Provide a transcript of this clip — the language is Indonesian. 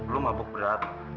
lo mampuk berat